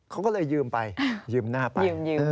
เขาก็เลยยืมไปยืมหน้าไป